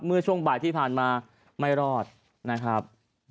เมื่อช่วงบ่ายที่ผ่านมาไม่รอดนะครับ